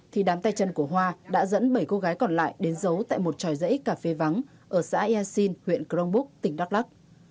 thì đám tay chân của hoa đã dẫn bảy cô gái còn lại đến giấu tại một tròi rẫy cà phê vắng ở xã e xin huyện cronbrook tỉnh đắk lắk